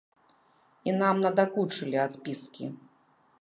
І нам надакучылі адпіскі.